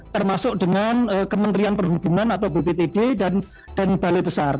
termasuk dengan kementerian perhubungan atau bptd dan balai besar